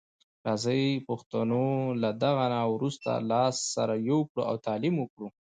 راځي پښتنو له دغه نه وروسته لاس سره یو کړو او تعلیم وکړو.